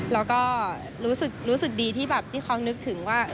แล้วก็รู้สึกดีที่เขานึกถึงว่า